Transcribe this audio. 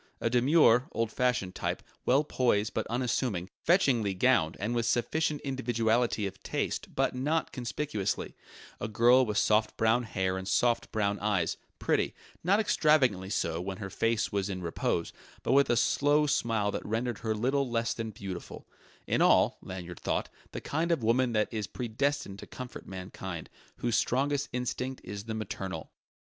A demure, old fashioned type; well poised but unassuming; fetchingly gowned and with sufficient individuality of taste but not conspicuously; a girl with soft brown hair and soft brown eyes; pretty, not extravagantly so when her face was in repose, but with a slow smile that rendered her little less than beautiful: in all (Lanyard thought) the kind of woman that is predestined to comfort mankind, whose strongest instinct is the maternal.